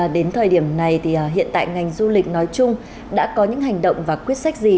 đến thời điểm này thì hiện tại ngành du lịch nói chung đã có những hành động và quyết sách gì